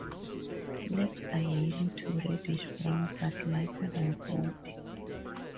Legs are yellow to reddish brown but lighter than body.